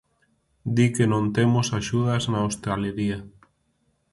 Di que non temos axudas na hostalería.